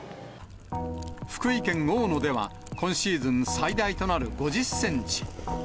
福井県大野では、今シーズン最大となる５０センチ。